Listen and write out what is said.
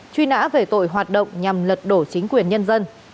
truy nã về tội hoạt động nhằm lật đổ chính quyền nhân dân